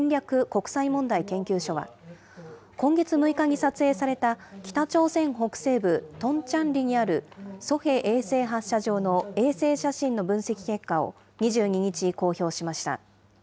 国際問題研究所は今月６日に撮影された北朝鮮北西部トンチャンリにあるソヘ衛星発射場の衛星写真の分析結果を２２日、公表しました。